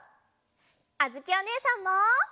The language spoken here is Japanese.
あづきおねえさんも！